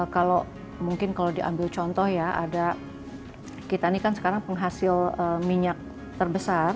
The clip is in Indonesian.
kalau mungkin kalau diambil contoh ya ada kita ini kan sekarang penghasil minyak terbesar